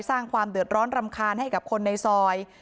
สร้างความเดือดร้อนรำคาญให้กับคนในซอย